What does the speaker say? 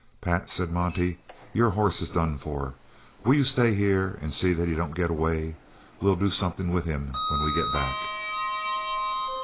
"Pat," said Monte, "your hoss is done for. Will you stay here an' see that he don't get away? We'll do somethin' with him when we get back."